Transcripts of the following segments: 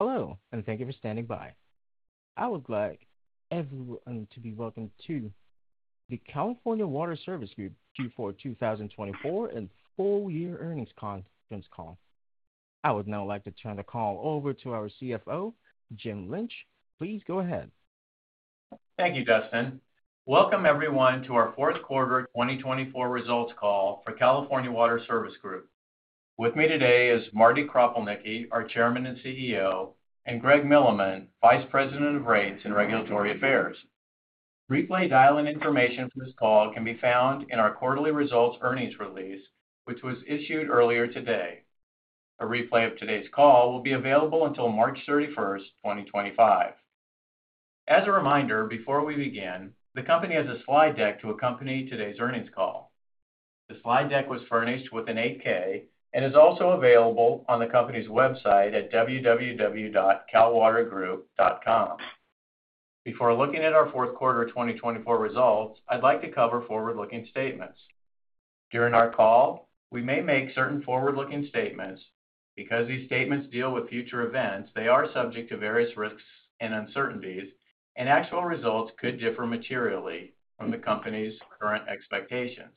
Hello, and thank you for standing by. I would like everyone to be welcome to the California Water Service Group Q4 2024 and Full Year Earnings Conference Call. I would now like to turn the call over to our CFO, Jim Lynch. Please go ahead. Thank you, Dustin. Welcome, everyone, to our fourth quarter 2024 results call for California Water Service Group. With me today is Marty Kropelnicki, our Chairman and CEO, and Greg Milleman, Vice President of Rates and Regulatory Affairs. Replay dial-in information for this call can be found in our quarterly results earnings release, which was issued earlier today. A replay of today's call will be available until March 31, 2025. As a reminder, before we begin, the company has a slide deck to accompany today's earnings call. The slide deck was furnished with an 8-K and is also available on the company's website at www.calwatergroup.com. Before looking at our fourth quarter 2024 results, I'd like to cover forward-looking statements. During our call, we may make certain forward-looking statements. Because these statements deal with future events, they are subject to various risks and uncertainties, and actual results could differ materially from the company's current expectations.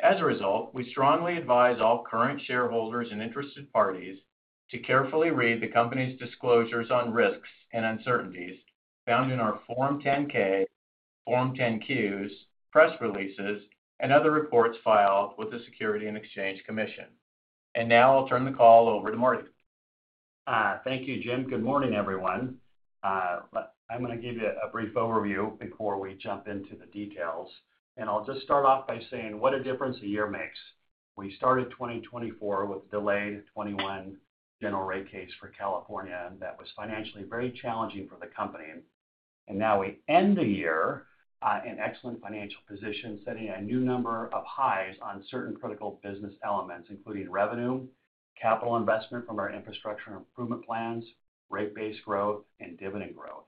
As a result, we strongly advise all current shareholders and interested parties to carefully read the company's disclosures on risks and uncertainties found in our Form 10-K, Form 10-Qs, press releases, and other reports filed with the Securities and Exchange Commission. And now I'll turn the call over to Marty. Thank you, Jim. Good morning, everyone. I'm going to give you a brief overview before we jump into the details, and I'll just start off by saying what a difference a year makes. We started 2024 with a delayed 2021 General Rate Case for California that was financially very challenging for the company, and now we end the year in excellent financial position, setting a new number of highs on certain critical business elements, including revenue, capital investment from our Infrastructure Improvement Plans, rate base growth, and dividend growth.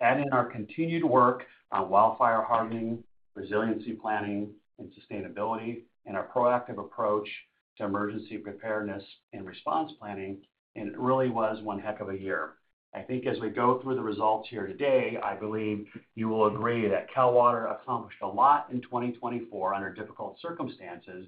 Adding our continued work on wildfire hardening, resiliency planning, and sustainability, and our proactive approach to emergency preparedness and response planning, it really was one heck of a year. I think as we go through the results here today, I believe you will agree that Cal Water accomplished a lot in 2024 under difficult circumstances.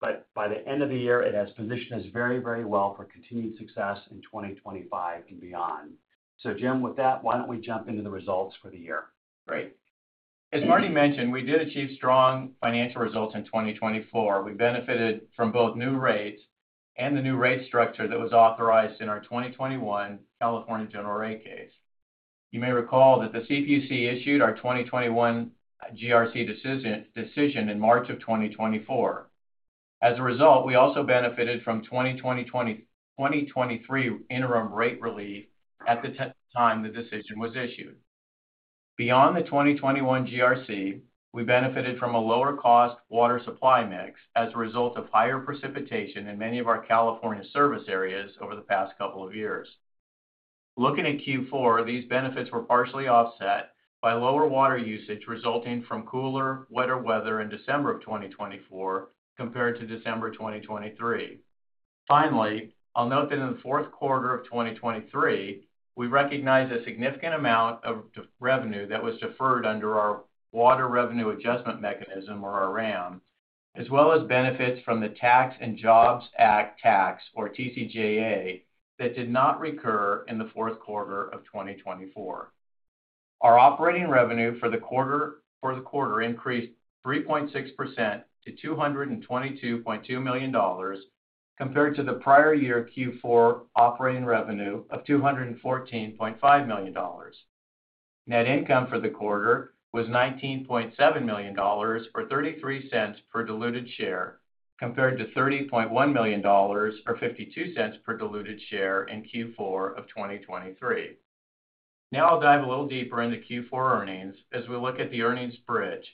But by the end of the year, it has positioned us very, very well for continued success in 2025 and beyond. So, Jim, with that, why don't we jump into the results for the year? Great. As Marty mentioned, we did achieve strong financial results in 2024. We benefited from both new rates and the new rate structure that was authorized in our 2021 California General Rate Case. You may recall that the CPUC issued our 2021 GRC decision in March of 2024. As a result, we also benefited from 2023 interim rate relief at the time the decision was issued. Beyond the 2021 GRC, we benefited from a lower-cost water supply mix as a result of higher precipitation in many of our California service areas over the past couple of years. Looking at Q4, these benefits were partially offset by lower water usage resulting from cooler, wetter weather in December of 2024 compared to December 2023. Finally, I'll note that in the fourth quarter of 2023, we recognized a significant amount of revenue that was deferred under our Water Revenue Adjustment Mechanism, or our RAM, as well as benefits from the Tax Cuts and Jobs Act, or TCJA, that did not recur in the fourth quarter of 2024. Our operating revenue for the quarter increased 3.6% to $222.2 million compared to the prior year Q4 operating revenue of $214.5 million. Net income for the quarter was $19.7 million, or $0.33 per diluted share, compared to $30.1 million, or $0.52 per diluted share in Q4 of 2023. Now I'll dive a little deeper into Q4 earnings as we look at the earnings bridge.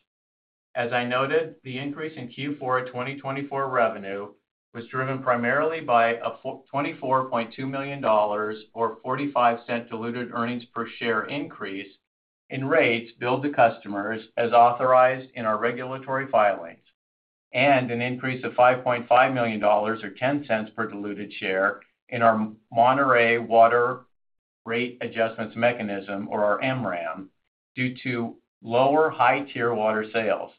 As I noted, the increase in Q4 2024 revenue was driven primarily by a $24.2 million, or $0.45 diluted earnings per share increase in rates billed to customers as authorized in our regulatory filings, and an increase of $5.5 million, or $0.10 per diluted share in our Monterey Water Rate Adjustment Mechanism, or our MRAM, due to lower high-tier water sales.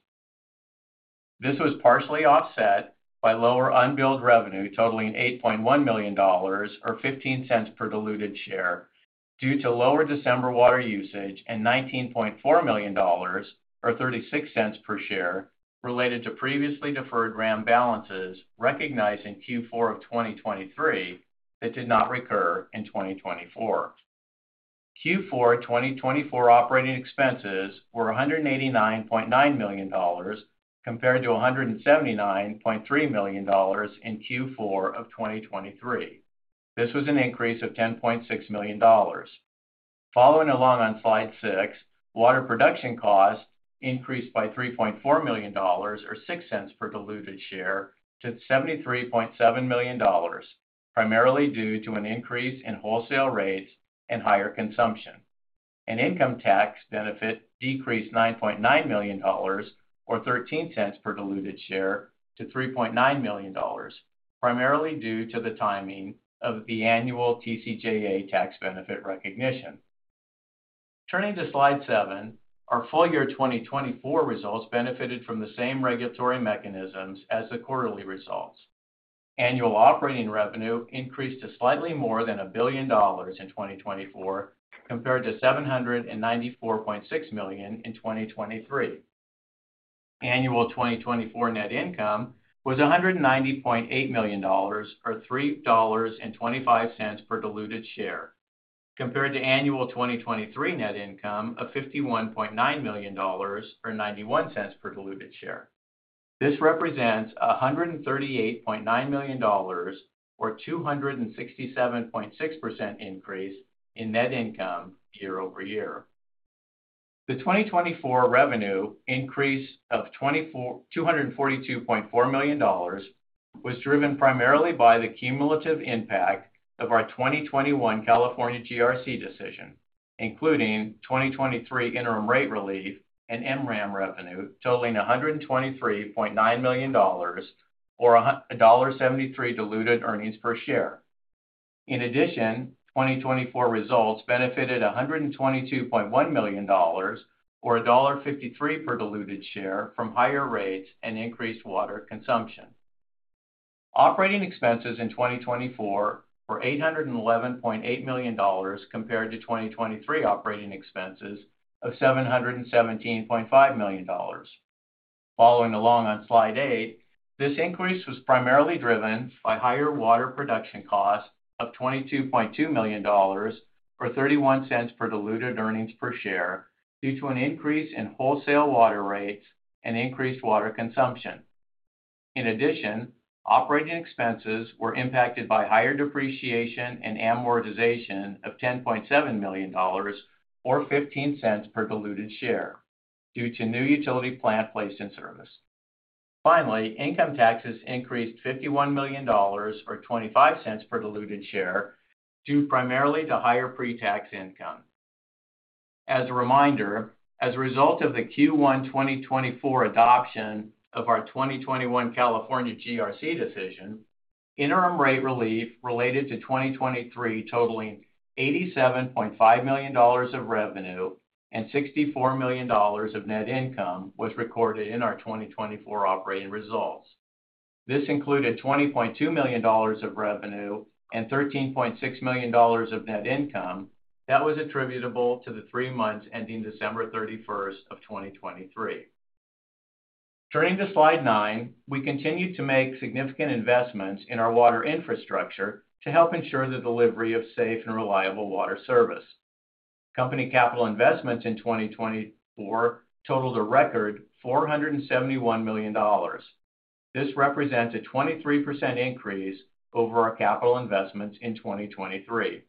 This was partially offset by lower unbilled revenue totaling $8.1 million, or $0.15 per diluted share, due to lower December water usage and $19.4 million, or $0.36 per share, related to previously deferred RAM balances recognized in Q4 of 2023 that did not recur in 2024. Q4 2024 operating expenses were $189.9 million compared to $179.3 million in Q4 of 2023. This was an increase of $10.6 million. Following along on slide six, water production costs increased by $3.4 million, or $0.06 per diluted share, to $73.7 million, primarily due to an increase in wholesale rates and higher consumption. An income tax benefit decreased $9.9 million, or $0.13 per diluted share, to $3.9 million, primarily due to the timing of the annual TCJA tax benefit recognition. Turning to slide seven, our full year 2024 results benefited from the same regulatory mechanisms as the quarterly results. Annual operating revenue increased to slightly more than $1 billion in 2024 compared to $794.6 million in 2023. Annual 2024 net income was $190.8 million, or $3.25 per diluted share, compared to annual 2023 net income of $51.9 million, or $0.91 per diluted share. This represents a $138.9 million, or 267.6% increase in net income year over year. The 2024 revenue increase of $242.4 million was driven primarily by the cumulative impact of our 2021 California GRC decision, including 2023 interim rate relief and MRAM revenue totaling $123.9 million, or $1.73 diluted earnings per share. In addition, 2024 results benefited $122.1 million, or $1.53 per diluted share, from higher rates and increased water consumption. Operating expenses in 2024 were $811.8 million compared to 2023 operating expenses of $717.5 million. Following along on slide eight, this increase was primarily driven by higher water production costs of $22.2 million, or $0.31 per diluted earnings per share, due to an increase in wholesale water rates and increased water consumption. In addition, operating expenses were impacted by higher depreciation and amortization of $10.7 million, or $0.15 per diluted share, due to new utility plant placed in service. Finally, income taxes increased $51 million, or $0.25 per diluted share, due primarily to higher pre-tax income. As a reminder, as a result of the Q1 2024 adoption of our 2021 California GRC decision, interim rate relief related to 2023 totaling $87.5 million of revenue and $64 million of net income was recorded in our 2024 operating results. This included $20.2 million of revenue and $13.6 million of net income that was attributable to the three months ending December 31 of 2023. Turning to slide nine, we continued to make significant investments in our water infrastructure to help ensure the delivery of safe and reliable water service. Company capital investments in 2024 totaled a record $471 million. This represents a 23% increase over our capital investments in 2023.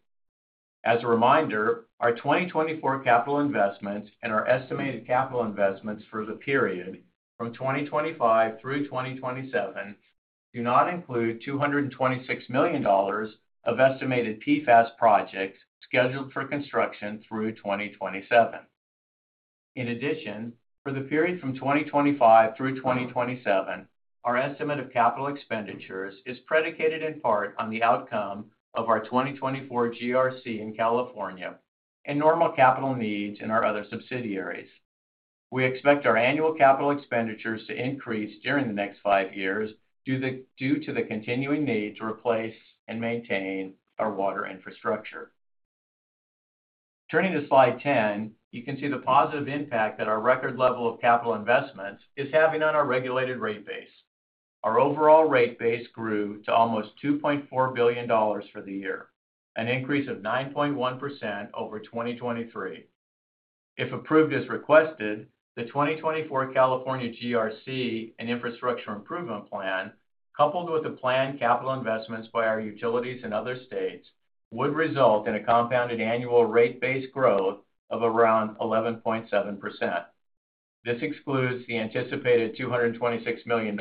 As a reminder, our 2024 capital investments and our estimated capital investments for the period from 2025 through 2027 do not include $226 million of estimated PFAS projects scheduled for construction through 2027. In addition, for the period from 2025 through 2027, our estimate of capital expenditures is predicated in part on the outcome of our 2024 GRC in California and normal capital needs in our other subsidiaries. We expect our annual capital expenditures to increase during the next five years due to the continuing need to replace and maintain our water infrastructure. Turning to slide 10, you can see the positive impact that our record level of capital investments is having on our regulated rate base. Our overall rate base grew to almost $2.4 billion for the year, an increase of 9.1% over 2023. If approved as requested, the 2024 California GRC and Infrastructure Improvement Plan, coupled with the planned capital investments by our utilities and other states, would result in a compounded annual rate-based growth of around 11.7%. This excludes the anticipated $226 million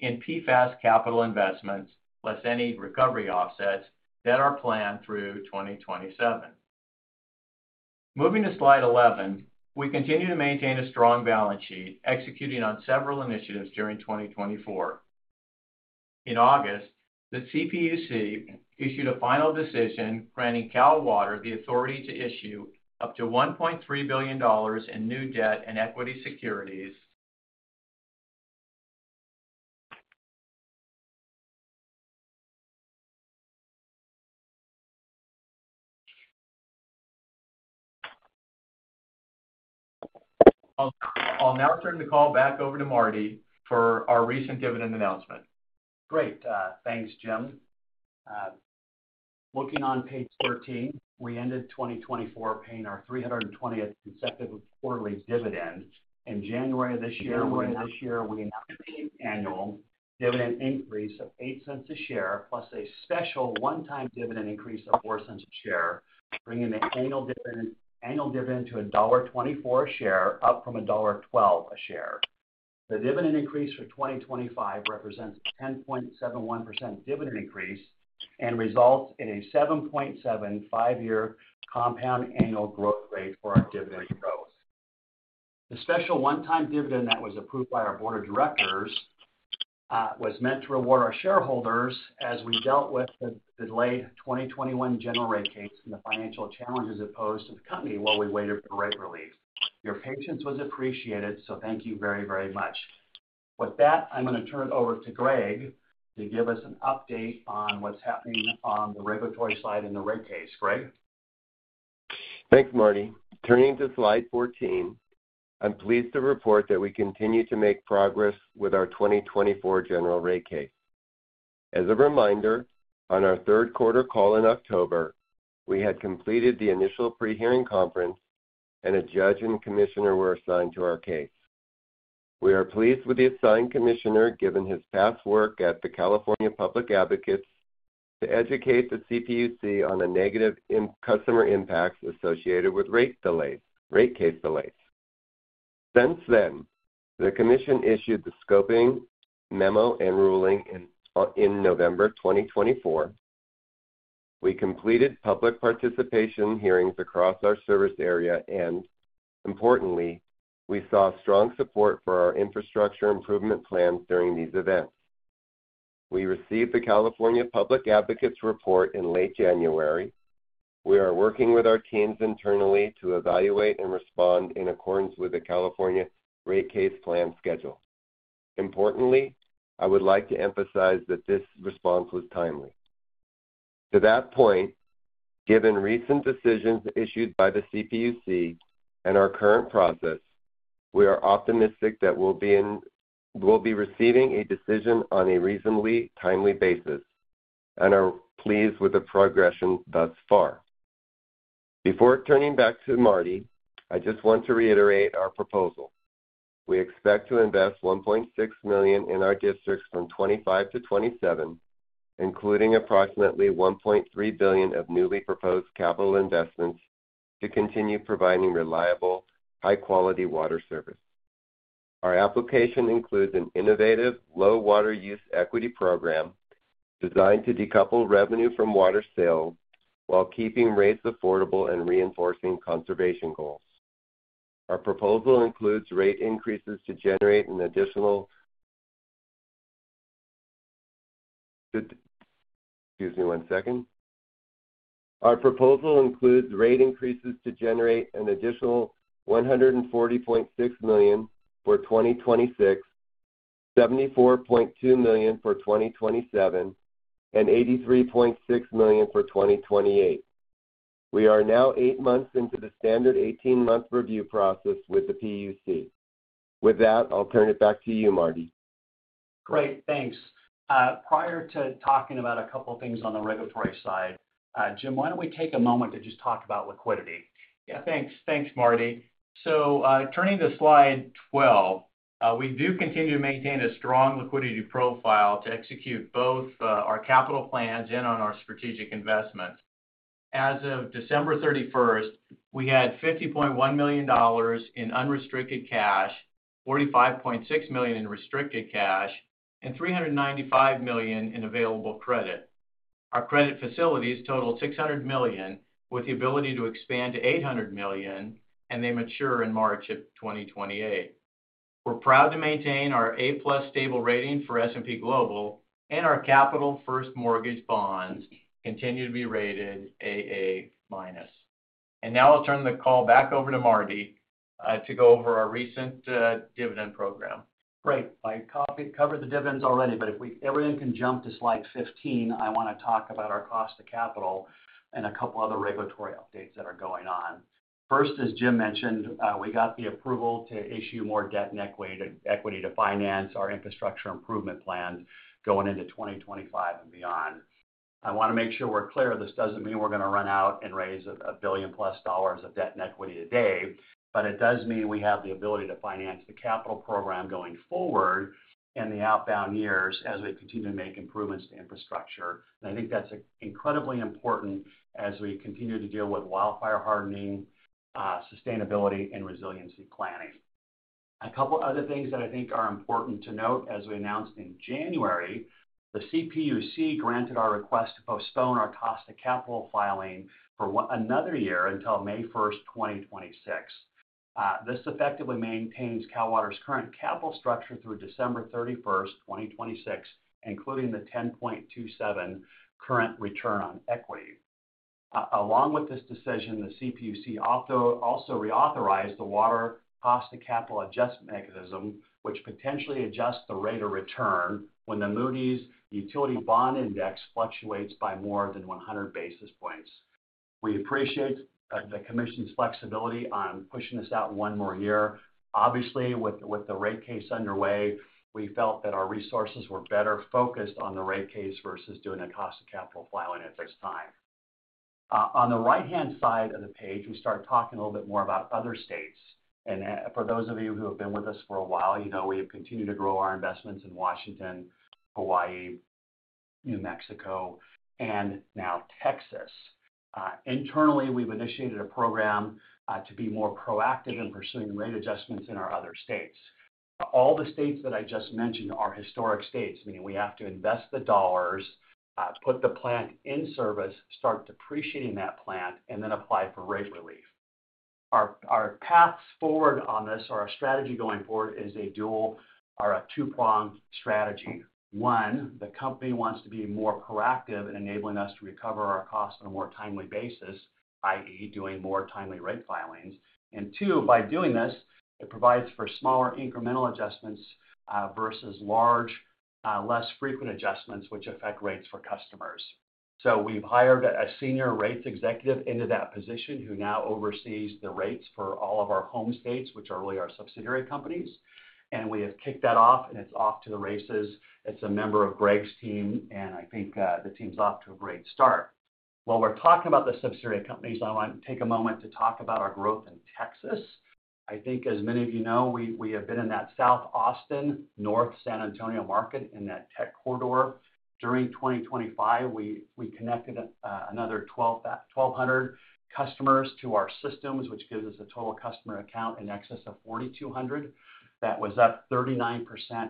in PFAS capital investments, less any recovery offsets, that are planned through 2027. Moving to slide 11, we continue to maintain a strong balance sheet, executing on several initiatives during 2024. In August, the CPUC issued a final decision granting CalWater the authority to issue up to $1.3 billion in new debt and equity securities. I'll now turn the call back over to Marty for our recent dividend announcement. Great. Thanks, Jim. Looking on page 14, we ended 2024 paying our 320th consecutive quarterly dividend. In January of this year, we announced an annual dividend increase of $0.08 a share, plus a special one-time dividend increase of $0.04 a share, bringing the annual dividend to $1.24 a share, up from $1.12 a share. The dividend increase for 2025 represents a 10.71% dividend increase and results in a 7.75-year compound annual growth rate for our dividend growth. The special one-time dividend that was approved by our board of directors was meant to reward our shareholders as we dealt with the delayed 2021 general rate case and the financial challenges it posed to the company while we waited for rate relief. Your patience was appreciated, so thank you very, very much. With that, I'm going to turn it over to Greg to give us an update on what's happening on the regulatory side in the rate case. Greg? Thanks, Marty. Turning to slide 14, I'm pleased to report that we continue to make progress with our 2024 general rate case. As a reminder, on our third quarter call in October, we had completed the initial prehearing conference, and a judge and commissioner were assigned to our case. We are pleased with the assigned commissioner given his past work at the California Public Advocates to educate the CPUC on the negative customer impacts associated with rate case delays. Since then, the commission issued the scoping memo and ruling in November 2024. We completed public participation hearings across our service area, and importantly, we saw strong support for our infrastructure improvement plans during these events. We received the California Public Advocates report in late January. We are working with our teams internally to evaluate and respond in accordance with the California Rate Case Plan schedule. Importantly, I would like to emphasize that this response was timely. To that point, given recent decisions issued by the CPUC and our current process, we are optimistic that we'll be receiving a decision on a reasonably timely basis and are pleased with the progression thus far. Before turning back to Marty, I just want to reiterate our proposal. We expect to invest $1.6 billion in our districts from 2025 to 2027, including approximately $1.3 billion of newly proposed capital investments to continue providing reliable, high-quality water service. Our application includes an innovative low-water use equity program designed to decouple revenue from water sales while keeping rates affordable and reinforcing conservation goals. Excuse me, one second. Our proposal includes rate increases to generate an additional $140.6 million for 2026, $74.2 million for 2027, and $83.6 million for 2028. We are now eight months into the standard 18-month review process with the CPUC. With that, I'll turn it back to you, Marty. Great. Thanks. Prior to talking about a couple of things on the regulatory side, Jim, why don't we take a moment to just talk about liquidity? Yeah, thanks. Thanks, Marty. So turning to slide 12, we do continue to maintain a strong liquidity profile to execute both our capital plans and on our strategic investments. As of December 31, we had $50.1 million in unrestricted cash, $45.6 million in restricted cash, and $395 million in available credit. Our credit facilities totaled $600 million, with the ability to expand to $800 million, and they mature in March of 2028. We're proud to maintain our A-plus stable rating for S&P Global, and our capital-first mortgage bonds continue to be rated AA minus. And now I'll turn the call back over to Marty to go over our recent dividend program. Great. I covered the dividends already, but if everyone can jump to slide 15, I want to talk about our cost of capital and a couple of other regulatory updates that are going on. First, as Jim mentioned, we got the approval to issue more debt and equity to finance our infrastructure improvement plans going into 2025 and beyond. I want to make sure we're clear. This doesn't mean we're going to run out and raise $1 billion-plus of debt and equity today, but it does mean we have the ability to finance the capital program going forward and the out years as we continue to make improvements to infrastructure. And I think that's incredibly important as we continue to deal with wildfire hardening, sustainability, and resiliency planning. A couple of other things that I think are important to note: as we announced in January, the CPUC granted our request to postpone our cost of capital filing for another year until May 1, 2026. This effectively maintains CalWater's current capital structure through December 31, 2026, including the 10.27% current return on equity. Along with this decision, the CPUC also reauthorized the water cost of capital adjustment mechanism, which potentially adjusts the rate of return when the Moody's Utility Bond Index fluctuates by more than 100 basis points. We appreciate the commission's flexibility on pushing this out one more year. Obviously, with the rate case underway, we felt that our resources were better focused on the rate case versus doing a cost of capital filing at this time. On the right-hand side of the page, we start talking a little bit more about other states. For those of you who have been with us for a while, you know we have continued to grow our investments in Washington, Hawaii, New Mexico, and now Texas. Internally, we've initiated a program to be more proactive in pursuing rate adjustments in our other states. All the states that I just mentioned are historic states, meaning we have to invest the dollars, put the plant in service, start depreciating that plant, and then apply for rate relief. Our path forward on this, or our strategy going forward, is a dual or a two-pronged strategy. One, the company wants to be more proactive in enabling us to recover our costs on a more timely basis, i.e., doing more timely rate filings. And two, by doing this, it provides for smaller incremental adjustments versus large, less frequent adjustments, which affect rates for customers. So we've hired a senior rates executive into that position who now oversees the rates for all of our home states, which are really our subsidiary companies. And we have kicked that off, and it's off to the races. It's a member of Greg's team, and I think the team's off to a great start. While we're talking about the subsidiary companies, I want to take a moment to talk about our growth in Texas. I think, as many of you know, we have been in that South Austin, North San Antonio market in that tech corridor. During 2025, we connected another 1,200 customers to our systems, which gives us a total customer account in excess of 4,200. That was up 39%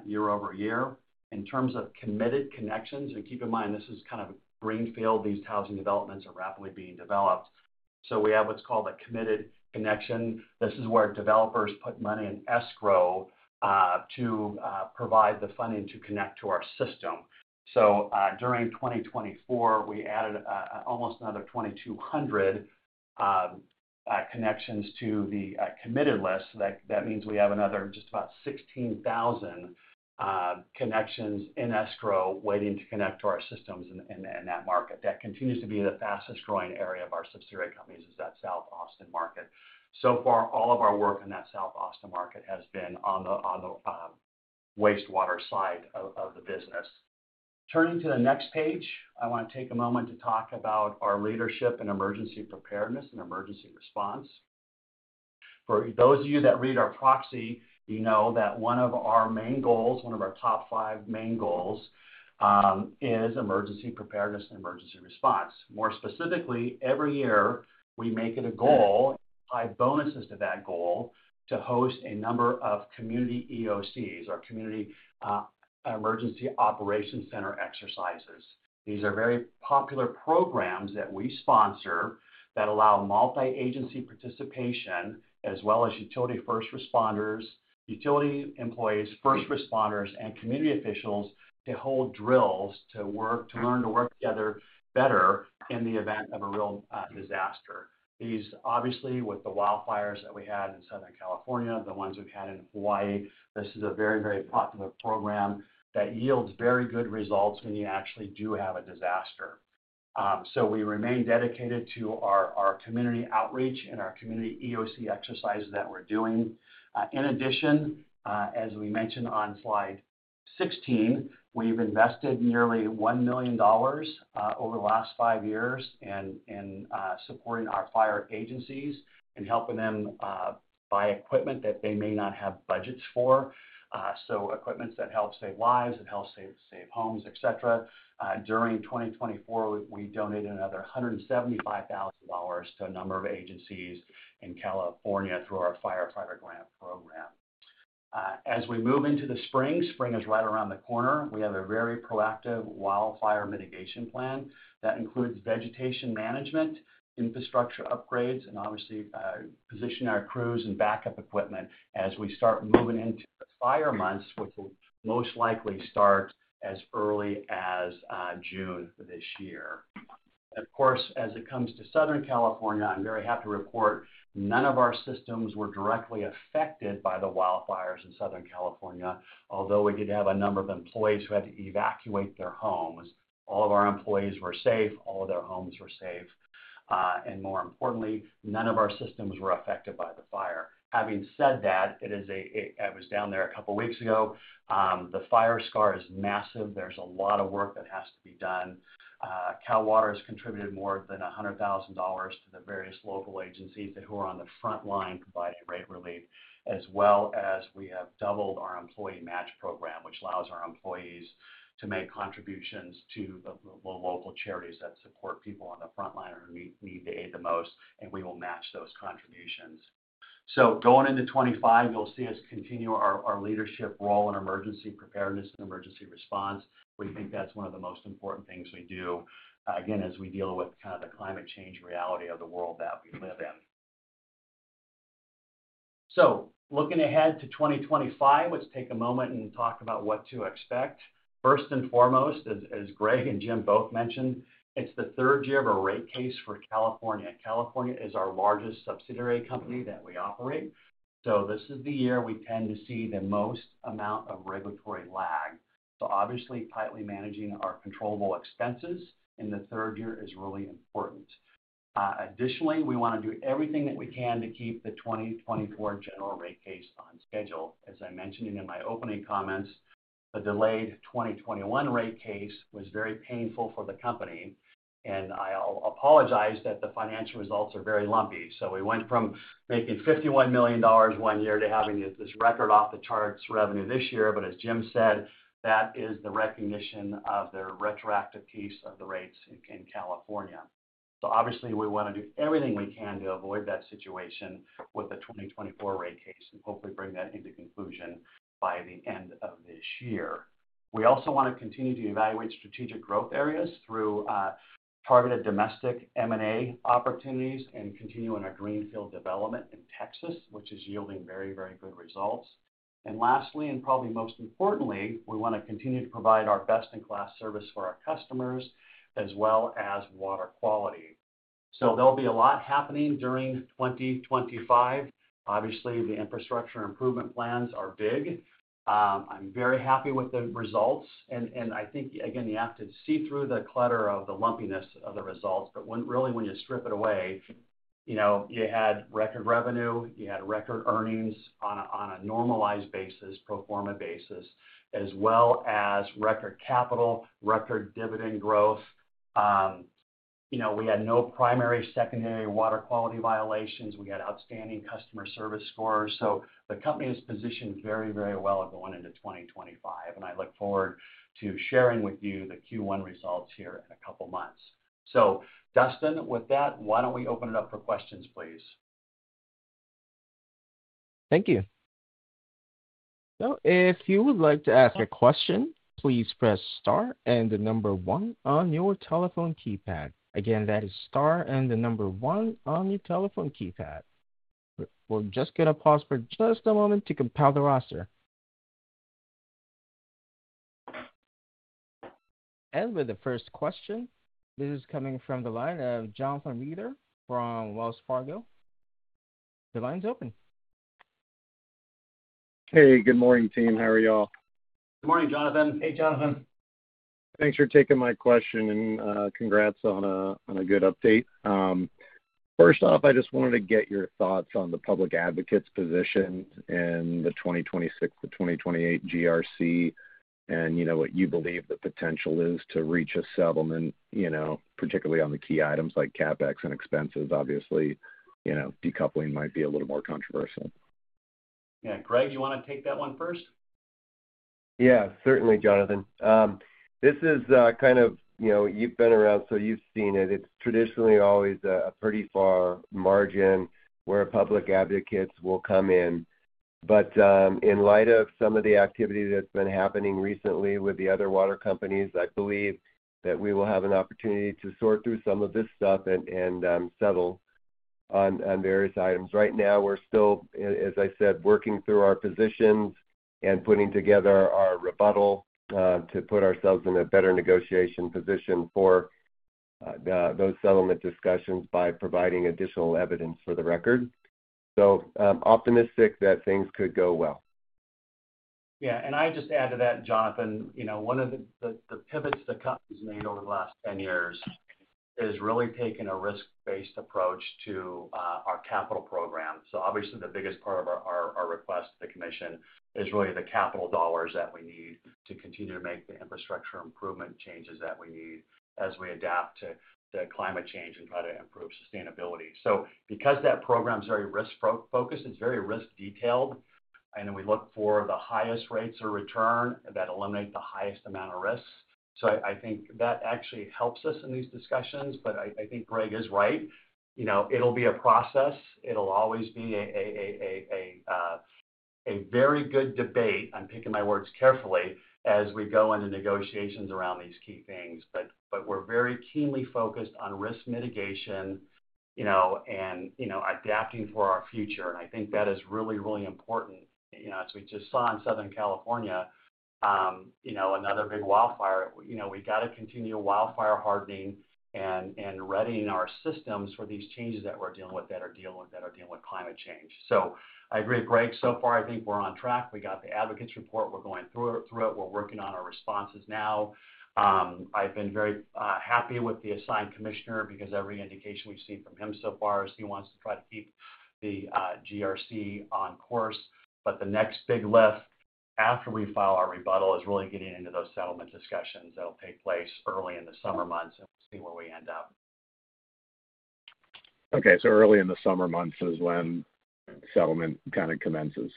year over year. In terms of committed connections, and keep in mind, this is kind of a greenfield. These housing developments are rapidly being developed. So we have what's called a committed connection. This is where developers put money in escrow to provide the funding to connect to our system. So during 2024, we added almost another 2,200 connections to the committed list. That means we have another just about 16,000 connections in escrow waiting to connect to our systems in that market. That continues to be the fastest growing area of our subsidiary companies, is that South Austin market. So far, all of our work in that South Austin market has been on the wastewater side of the business. Turning to the next page, I want to take a moment to talk about our leadership and emergency preparedness and emergency response. For those of you that read our proxy, you know that one of our main goals, one of our top five main goals, is emergency preparedness and emergency response. More specifically, every year, we make it a goal, apply bonuses to that goal to host a number of community EOCs, or Community Emergency Operations Center exercises. These are very popular programs that we sponsor that allow multi-agency participation, as well as utility first responders, utility employees, first responders, and community officials to hold drills to learn to work together better in the event of a real disaster. These, obviously, with the wildfires that we had in Southern California, the ones we've had in Hawaii, this is a very, very popular program that yields very good results when you actually do have a disaster. So we remain dedicated to our community outreach and our community EOC exercises that we're doing. In addition, as we mentioned on slide 16, we've invested nearly $1 million over the last five years in supporting our fire agencies and helping them buy equipment that they may not have budgets for, so equipment that helps save lives, that helps save homes, etc. During 2024, we donated another $175,000 to a number of agencies in California through our Firefighter Grant Program. As we move into the spring, spring is right around the corner, we have a very proactive Wildfire Mitigation Plan that includes vegetation management, infrastructure upgrades, and obviously positioning our crews and backup equipment as we start moving into the fire months, which will most likely start as early as June this year. Of course, as it comes to Southern California, I'm very happy to report none of our systems were directly affected by the wildfires in Southern California, although we did have a number of employees who had to evacuate their homes. All of our employees were safe. All of their homes were safe, and more importantly, none of our systems were affected by the fire. Having said that, it was down there a couple of weeks ago. The fire scar is massive. There's a lot of work that has to be done. CalWater has contributed more than $100,000 to the various local agencies who are on the front line providing rate relief, as well as we have doubled our employee match program, which allows our employees to make contributions to the local charities that support people on the front line who need the aid the most, and we will match those contributions. So going into 2025, you'll see us continue our leadership role in emergency preparedness and emergency response. We think that's one of the most important things we do, again, as we deal with kind of the climate change reality of the world that we live in. So looking ahead to 2025, let's take a moment and talk about what to expect. First and foremost, as Greg and Jim both mentioned, it's the third year of a rate case for California. California is our largest subsidiary company that we operate. This is the year we tend to see the most amount of regulatory lag. Obviously, tightly managing our controllable expenses in the third year is really important. Additionally, we want to do everything that we can to keep the 2024 general rate case on schedule. As I mentioned in my opening comments, the delayed 2021 rate case was very painful for the company. I apologize that the financial results are very lumpy. We went from making $51 million one year to having this record off-the-charts revenue this year. As Jim said, that is the recognition of the retroactive rates in California. Obviously, we want to do everything we can to avoid that situation with the 2024 rate case and hopefully bring that to a conclusion by the end of this year. We also want to continue to evaluate strategic growth areas through targeted domestic M&A opportunities and continue on our greenfield development in Texas, which is yielding very, very good results. And lastly, and probably most importantly, we want to continue to provide our best-in-class service for our customers as well as water quality. So there'll be a lot happening during 2025. Obviously, the infrastructure improvement plans are big. I'm very happy with the results. And I think, again, you have to see through the clutter of the lumpiness of the results. But really, when you strip it away, you had record revenue. You had record earnings on a normalized basis, pro forma basis, as well as record capital, record dividend growth. We had no primary, secondary water quality violations. We had outstanding customer service scores. So the company is positioned very, very well going into 2025.I look forward to sharing with you the Q1 results here in a couple of months. Dustin, with that, why don't we open it up for questions, please? Thank you, so if you would like to ask a question, please press Star and the number 1 on your telephone keypad. Again, that is Star and the number 1 on your telephone keypad. We're just going to pause for just a moment to compile the roster, and with the first question, this is coming from the line of Jonathan Reeder from Wells Fargo. The line's open. Hey, good morning, team. How are y'all? Good morning, Jonathan. Hey, Jonathan. Thanks for taking my question and congrats on a good update. First off, I just wanted to get your thoughts on the public advocate's position in the 2026-2028 GRC and what you believe the potential is to reach a settlement, particularly on the key items like CapEx and expenses. Obviously, decoupling might be a little more controversial. Yeah. Greg, you want to take that one first? Yeah, certainly, Jonathan. This is kind of you've been around, so you've seen it. It's traditionally always a pretty far margin where public advocates will come in. But in light of some of the activity that's been happening recently with the other water companies, I believe that we will have an opportunity to sort through some of this stuff and settle on various items. Right now, we're still, as I said, working through our positions and putting together our rebuttal to put ourselves in a better negotiation position for those settlement discussions by providing additional evidence for the record. So optimistic that things could go well. Yeah. And I just add to that, Jonathan, one of the pivots that has been made over the last 10 years is really taking a risk-based approach to our capital program. So obviously, the biggest part of our request to the commission is really the capital dollars that we need to continue to make the infrastructure improvement changes that we need as we adapt to climate change and try to improve sustainability. So because that program is very risk-focused, it's very risk-detailed. And we look for the highest rates of return that eliminate the highest amount of risks. So I think that actually helps us in these discussions. But I think Greg is right. It'll be a process. It'll always be a very good debate. I'm picking my words carefully as we go into negotiations around these key things. But we're very keenly focused on risk mitigation and adapting for our future. And I think that is really, really important. As we just saw in Southern California, another big wildfire. We got to continue wildfire hardening and readying our systems for these changes that we're dealing with that are dealing with climate change. So I agree, Greg. So far, I think we're on track. We got the advocates' report. We're going through it. We're working on our responses now. I've been very happy with the assigned commissioner because every indication we've seen from him so far is he wants to try to keep the GRC on course. But the next big lift after we file our rebuttal is really getting into those settlement discussions that will take place early in the summer months and see where we end up. Okay, so early in the summer months is when settlement kind of commences.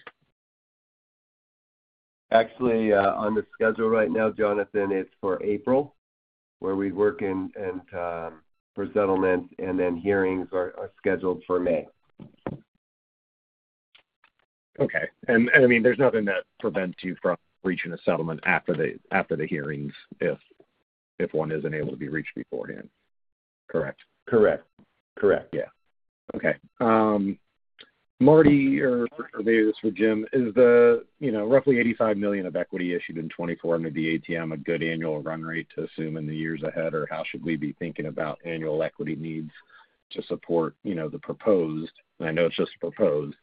Actually, on the schedule right now, Jonathan, it's for April, where we work for settlement, and then hearings are scheduled for May. Okay. And I mean, there's nothing that prevents you from reaching a settlement after the hearings if one isn't able to be reached beforehand. Correct? Correct. Correct. Yeah. Okay. Marty or Davis or Jim, is the roughly $85 million of equity issued in 2024 under the ATM a good annual run rate to assume in the years ahead, or how should we be thinking about annual equity needs to support the proposed? And I know it's just proposed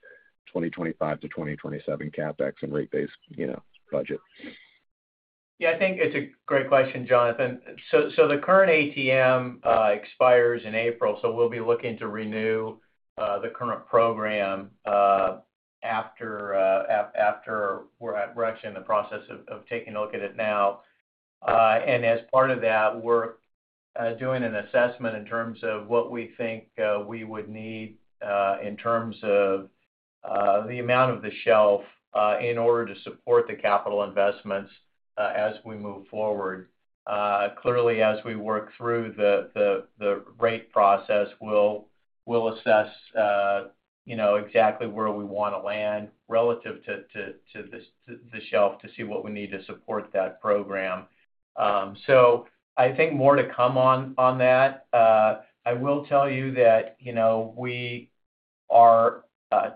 2025 to 2027 CapEx and rate base budget. Yeah. I think it's a great question, Jonathan. So the current ATM expires in April. So we'll be looking to renew the current program after we're actually in the process of taking a look at it now. And as part of that, we're doing an assessment in terms of what we think we would need in terms of the amount of the shelf in order to support the capital investments as we move forward. Clearly, as we work through the rate process, we'll assess exactly where we want to land relative to the shelf to see what we need to support that program. So I think more to come on that. I will tell you that we are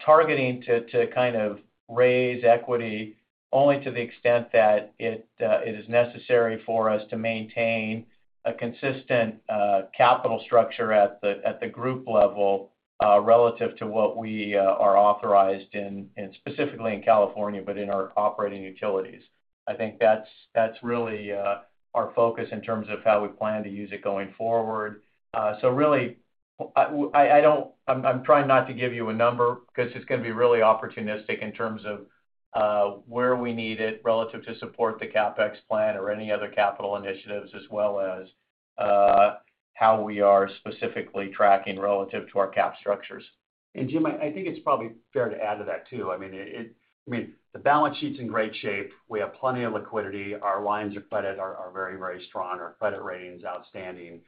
targeting to kind of raise equity only to the extent that it is necessary for us to maintain a consistent capital structure at the group level relative to what we are authorized in, specifically in California, but in our operating utilities. I think that's really our focus in terms of how we plan to use it going forward. So really, I'm trying not to give you a number because it's going to be really opportunistic in terms of where we need it relative to support the CapEx plan or any other capital initiatives, as well as how we are specifically tracking relative to our capital structures. And Jim, I think it's probably fair to add to that too. I mean, the balance sheet's in great shape. We have plenty of liquidity. Our lines of credit are very, very strong. Our credit rating is outstanding.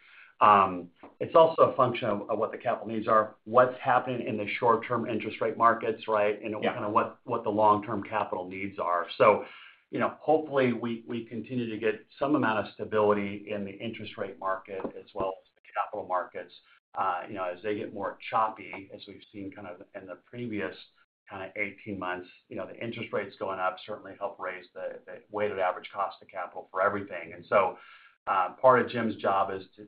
It's also a function of what the capital needs are, what's happening in the short-term interest rate markets, right, and kind of what the long-term capital needs are. So hopefully, we continue to get some amount of stability in the interest rate market as well as the capital markets as they get more choppy, as we've seen kind of in the previous kind of 18 months. The interest rates going up certainly help raise the weighted average cost of capital for everything. And so part of Jim's job is to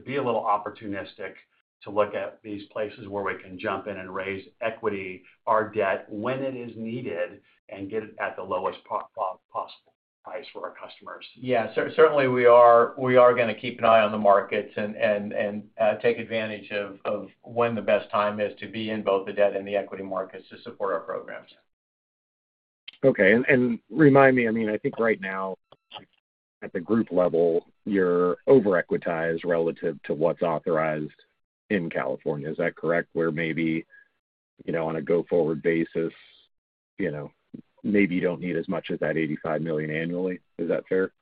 be a little opportunistic, to look at these places where we can jump in and raise equity, our debt when it is needed, and get it at the lowest possible price for our customers. Yeah. Certainly, we are going to keep an eye on the markets and take advantage of when the best time is to be in both the debt and the equity markets to support our programs. Okay. And remind me, I mean, I think right now at the group level, you're over-equitized relative to what's authorized in California. Is that correct? Where maybe on a go-forward basis, maybe you don't need as much as that $85 million annually. Is that fair?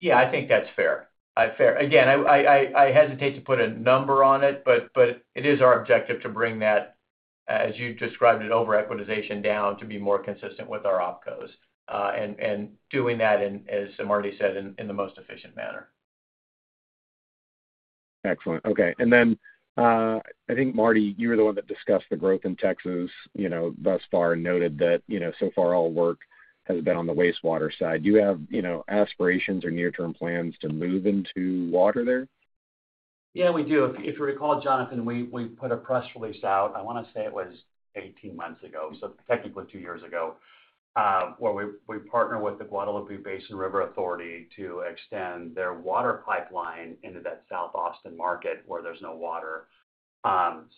Yeah. I think that's fair. Again, I hesitate to put a number on it, but it is our objective to bring that, as you described it, over-equitization down to be more consistent with our opcos. And doing that, as Marty said, in the most efficient manner. Excellent. Okay, and then I think, Marty, you were the one that discussed the growth in Texas thus far and noted that so far all work has been on the wastewater side. Do you have aspirations or near-term plans to move into water there? Yeah, we do. If you recall, Jonathan, we put a press release out. I want to say it was 18 months ago, so technically two years ago, where we partner with the Guadalupe-Blanco River Authority to extend their water pipeline into that South Austin market where there's no water.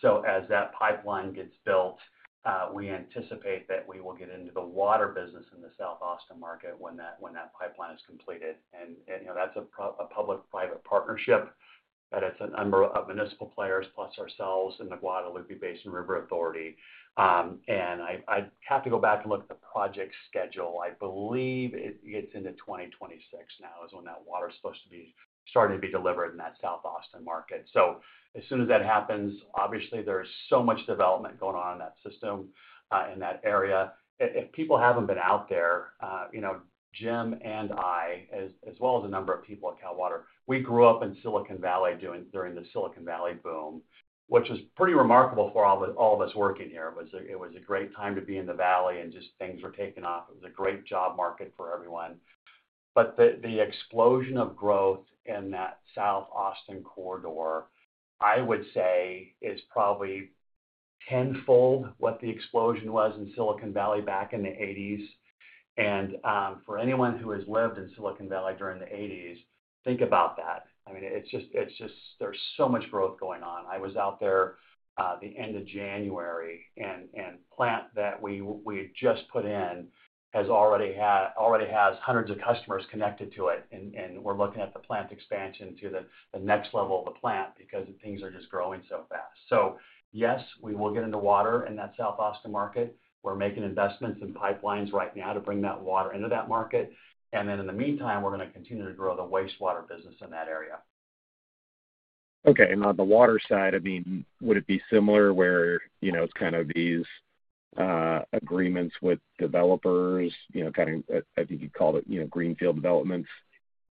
So as that pipeline gets built, we anticipate that we will get into the water business in the South Austin market when that pipeline is completed. And that's a public-private partnership. But it's a number of municipal players plus ourselves and the Guadalupe-Blanco River Authority. And I have to go back and look at the project schedule. I believe it gets into 2026 now is when that water is supposed to be starting to be delivered in that South Austin market. As soon as that happens, obviously, there's so much development going on in that system in that area. If people haven't been out there, Jim and I, as well as a number of people at Cal Water, we grew up in Silicon Valley during the Silicon Valley boom, which was pretty remarkable for all of us working here. It was a great time to be in the valley, and just things were taking off. It was a great job market for everyone. The explosion of growth in that South Austin corridor, I would say, is probably tenfold what the explosion was in Silicon Valley back in the 1980s. For anyone who has lived in Silicon Valley during the 1980s, think about that. I mean, it's just there's so much growth going on. I was out there at the end of January, and the plant that we had just put in already has hundreds of customers connected to it. We're looking at the plant expansion to the next level of the plant because things are just growing so fast. Yes, we will get into water in that South Austin market. We're making investments in pipelines right now to bring that water into that market. Then in the meantime, we're going to continue to grow the wastewater business in that area. Okay. And on the water side, I mean, would it be similar where it's kind of these agreements with developers kind of, I think you'd call it greenfield developments?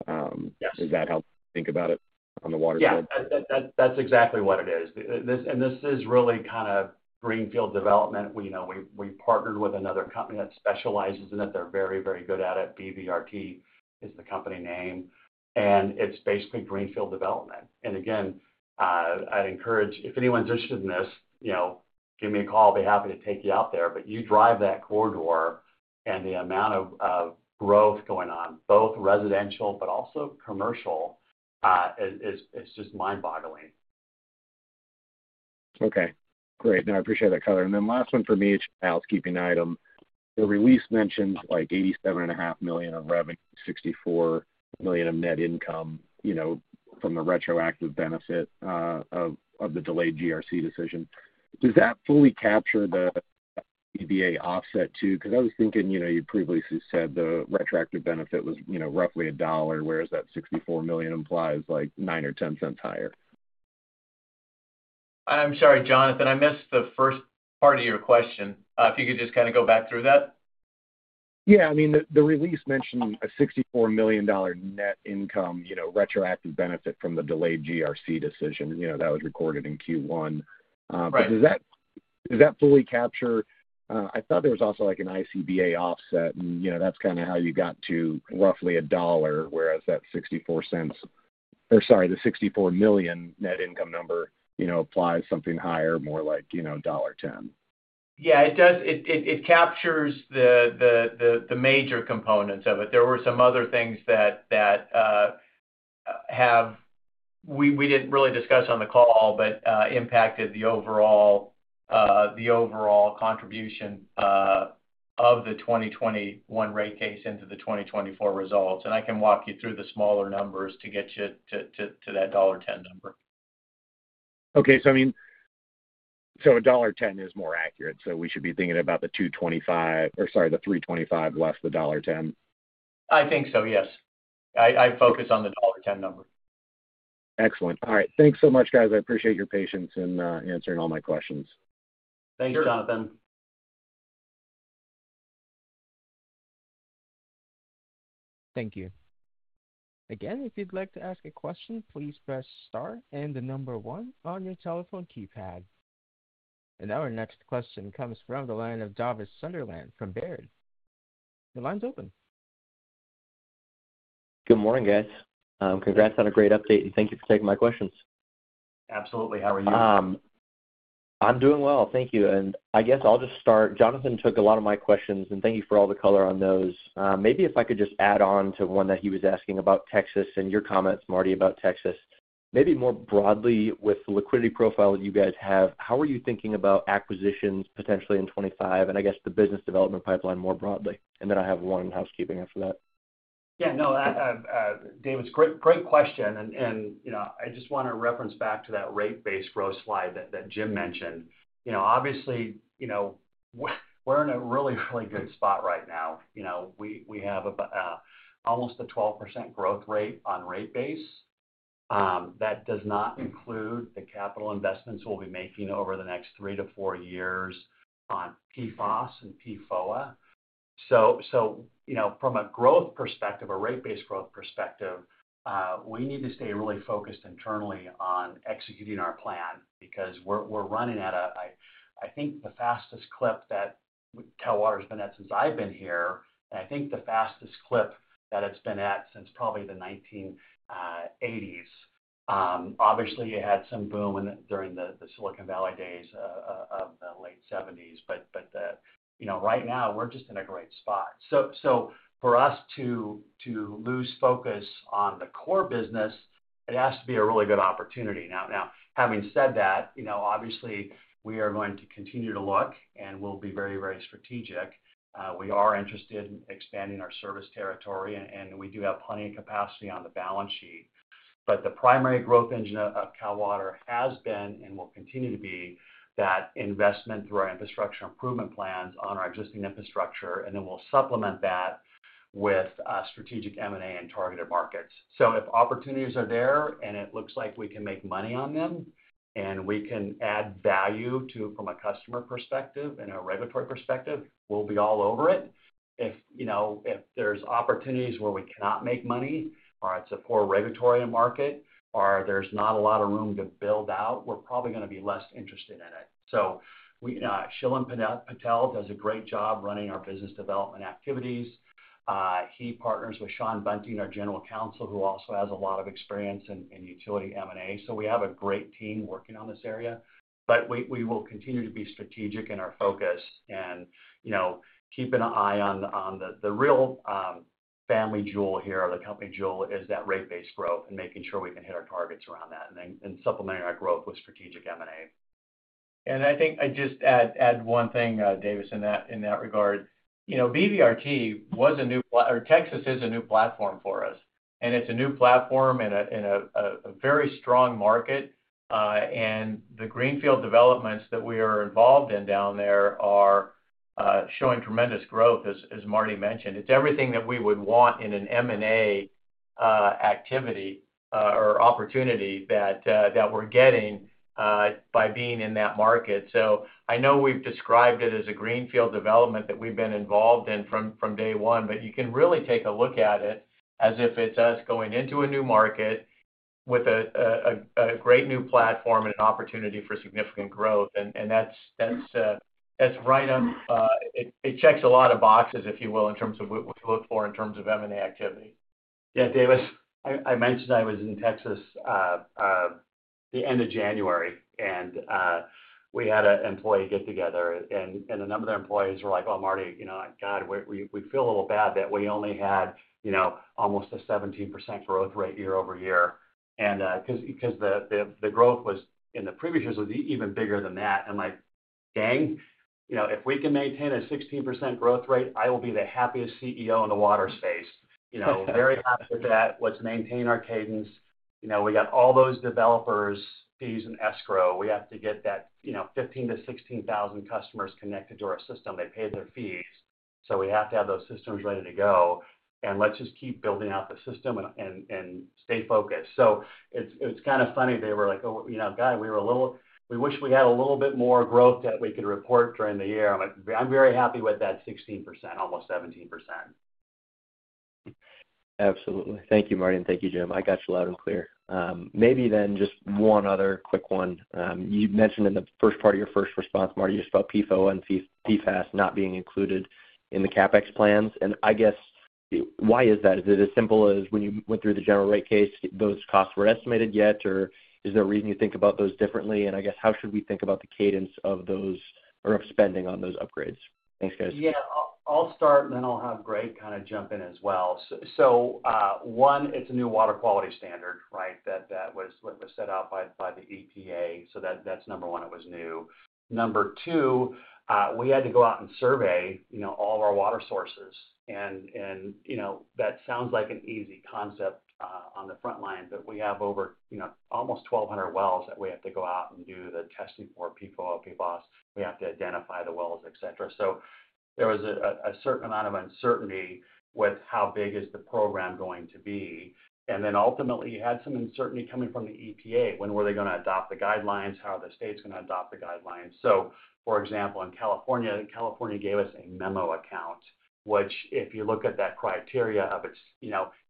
Yes. Is that how you think about it on the water side? Yeah. That's exactly what it is. And this is really kind of greenfield development. We partnered with another company that specializes in it. They're very, very good at it. BVRT is the company name. And it's basically greenfield development. And again, I'd encourage, if anyone's interested in this, give me a call. I'll be happy to take you out there. But you drive that corridor, and the amount of growth going on, both residential but also commercial, it's just mind-boggling. Okay. Great. No, I appreciate that, color. And then last one for me, a housekeeping item. The release mentions $87.5 million of revenue, $64 million of net income from the retroactive benefit of the delayed GRC decision. Does that fully capture the ICBA offset too? Because I was thinking you previously said the retroactive benefit was roughly $1, whereas that $64 million implies nine or 10 cents higher. I'm sorry, Jonathan. I missed the first part of your question. If you could just kind of go back through that. Yeah. I mean, the release mentioned a $64 million net income retroactive benefit from the delayed GRC decision that was recorded in Q1. Right. But does that fully capture? I thought there was also an ICBA offset, and that's kind of how you got to roughly a dollar, whereas that $0.64 or sorry, the $64 million net income number implies something higher, more like $1.10. Yeah. It does. It captures the major components of it. There were some other things that we didn't really discuss on the call but impacted the overall contribution of the 2021 rate case into the 2024 results, and I can walk you through the smaller numbers to get you to that $1.10 number. Okay. So I mean, so $1.10 is more accurate. So we should be thinking about the $2.25 or sorry, the $3.25 less the $1.10? I think so, yes. I focus on the $1.10 number. Excellent. All right. Thanks so much, guys. I appreciate your patience in answering all my questions. Thanks, Jonathan. Thank you. Again, if you'd like to ask a question, please press star and the number one on your telephone keypad. And our next question comes from the line of Davis Sunderland from Baird. The line's open. Good morning, guys. Congrats on a great update, and thank you for taking my questions. Absolutely. How are you? I'm doing well. Thank you. And I guess I'll just start. Jonathan took a lot of my questions, and thank you for all the color on those. Maybe if I could just add on to one that he was asking about Texas and your comments, Marty, about Texas. Maybe more broadly, with the liquidity profile that you guys have, how are you thinking about acquisitions potentially in 2025? And I guess the business development pipeline more broadly. And then I have one housekeeping after that. Yeah. No, David, it's a great question, and I just want to reference back to that rate-based growth slide that Jim mentioned. Obviously, we're in a really, really good spot right now. We have almost a 12% growth rate on rate-base. That does not include the capital investments we'll be making over the next three-to-four years on PFOS and PFOA. So from a growth perspective, a rate-based growth perspective, we need to stay really focused internally on executing our plan because we're running at, I think, the fastest clip that Cal Water has been at since I've been here, and I think the fastest clip that it's been at since probably the 1980s. Obviously, it had some boom during the Silicon Valley days of the late 1970s, but right now, we're just in a great spot. So for us to lose focus on the core business, it has to be a really good opportunity. Now, having said that, obviously, we are going to continue to look, and we'll be very, very strategic. We are interested in expanding our service territory, and we do have plenty of capacity on the balance sheet. But the primary growth engine of Cal Water has been and will continue to be that investment through our infrastructure improvement plans on our existing infrastructure. And then we'll supplement that with strategic M&A and targeted markets. So if opportunities are there and it looks like we can make money on them and we can add value from a customer perspective and a regulatory perspective, we'll be all over it. If there's opportunities where we cannot make money or it's a poor regulatory market or there's not a lot of room to build out, we're probably going to be less interested in it. So Shilen Patel does a great job running our business development activities. He partners with Shawn Bunting, our general counsel, who also has a lot of experience in utility M&A. So we have a great team working on this area. But we will continue to be strategic in our focus and keep an eye on the real family jewel here or the company jewel is that rate-based growth and making sure we can hit our targets around that and supplementing our growth with strategic M&A. And I think I just add one thing, David, in that regard. BVRT was a new or Texas is a new platform for us. It's a new platform in a very strong market. The greenfield developments that we are involved in down there are showing tremendous growth, as Marty mentioned. It's everything that we would want in an M&A activity or opportunity that we're getting by being in that market. We know we've described it as a greenfield development that we've been involved in from day one. You can really take a look at it as if it's us going into a new market with a great new platform and an opportunity for significant growth. That's right up. It checks a lot of boxes, if you will, in terms of what we look for in terms of M&A activity. Yeah, David, I mentioned I was in Texas at the end of January, and we had an employee get together. A number of their employees were like, "Well, Marty, God, we feel a little bad that we only had almost a 17% growth rate year over year." Because the growth in the previous years was even bigger than that. I'm like, "Dang, if we can maintain a 16% growth rate, I will be the happiest CEO in the water space." Very happy with that. Let's maintain our cadence. We got all those developers, fees, and escrow. We have to get that 15,000-16,000 customers connected to our system. They paid their fees, so we have to have those systems ready to go, and let's just keep building out the system and stay focused, so it's kind of funny. They were like, "Oh, God, we wish we had a little bit more growth that we could report during the year." I'm very happy with that 16%, almost 17%. Absolutely. Thank you, Marty, and thank you, Jim. I got you loud and clear. Maybe then just one other quick one. You mentioned in the first part of your first response, Marty, you spoke PFOA and PFAS not being included in the CapEx plans. And I guess why is that? Is it as simple as when you went through the general rate case, those costs were estimated yet? Or is there a reason you think about those differently? And I guess how should we think about the cadence of those or of spending on those upgrades? Thanks, guys. Yeah. I'll start, and then I'll have Greg kind of jump in as well. So one, it's a new water quality standard, right, that was set out by the EPA. So that's number one. It was new. Number two, we had to go out and survey all of our water sources. And that sounds like an easy concept on the front line, but we have over almost 1,200 wells that we have to go out and do the testing for PFOA, PFOS. We have to identify the wells, etc. So there was a certain amount of uncertainty with how big is the program going to be. And then ultimately, you had some uncertainty coming from the EPA. When were they going to adopt the guidelines? How are the states going to adopt the guidelines? So for example, in California, California gave us a memo account, which if you look at that criteria of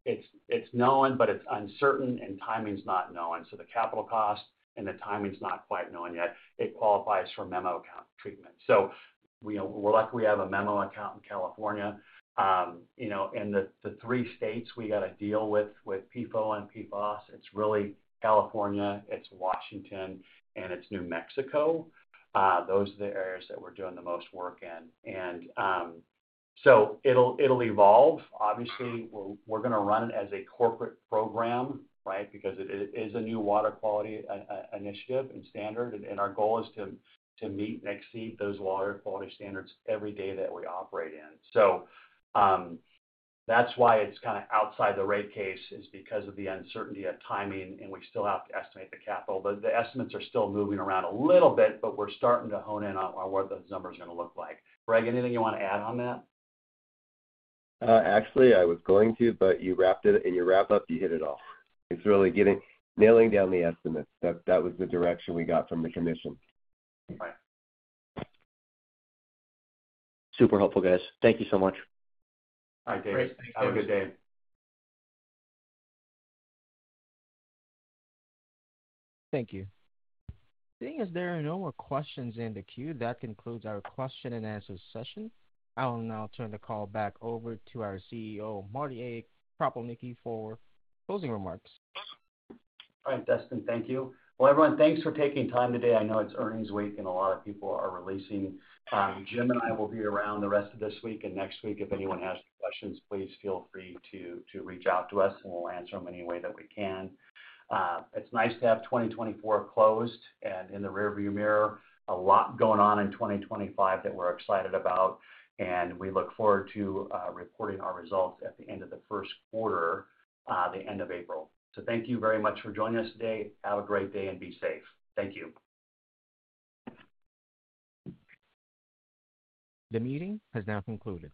it's known, but it's uncertain, and timing's not known. So the capital cost and the timing's not quite known yet. It qualifies for memo account treatment. So we're lucky we have a memo account in California. And the three states we got to deal with, with PFOA and PFOS, it's really California, it's Washington, and it's New Mexico. Those are the areas that we're doing the most work in. And so it'll evolve. Obviously, we're going to run it as a corporate program, right, because it is a new water quality initiative and standard. And our goal is to meet and exceed those water quality standards every day that we operate in. So that's why it's kind of outside the rate case is because of the uncertainty of timing, and we still have to estimate the capital. The estimates are still moving around a little bit, but we're starting to hone in on what those numbers are going to look like. Greg, anything you want to add on that? Actually, I was going to, but you wrapped it in your wrap-up. You hit it off. It's really nailing down the estimates. That was the direction we got from the commission. Right. Super helpful, guys. Thank you so much. All right, David. Thank you. Have a good day. Thank you. Since there are no more questions in the queue, that concludes our question and answer session. I will now turn the call back over to our CEO, Marty Kropelnicki, for closing remarks. All right, Dustin, thank you. Well, everyone, thanks for taking time today. I know it's earnings week, and a lot of people are releasing. Jim and I will be around the rest of this week and next week. If anyone has questions, please feel free to reach out to us, and we'll answer them any way that we can. It's nice to have 2024 closed and in the rearview mirror. A lot going on in 2025 that we're excited about. And we look forward to reporting our results at the end of the first quarter, the end of April. So thank you very much for joining us today. Have a great day and be safe. Thank you. The meeting has now concluded.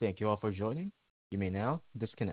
Thank you all for joining. You may now disconnect.